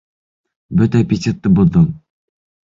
Бөтә аппетитты боҙҙоң!